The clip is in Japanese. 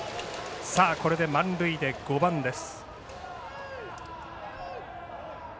これで満塁で５番です。